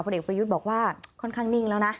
เด็กประยุทธ์บอกว่าค่อนข้างนิ่งแล้วนะ